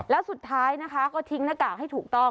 แล้วสุดท้ายนะคะก็ทิ้งหน้ากากให้ถูกต้อง